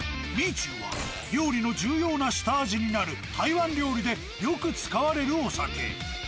酒は料理の重要な下味になる台湾料理でよく使われるお酒。